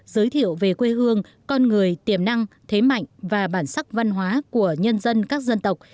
giới thiệu về quê hương con người tiềm năng thế mạnh và bản sắc văn hóa của nhân dân các dân tộc